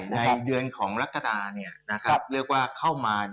ในเดือนของลักษณ์นี้เลยว่าเข้ามา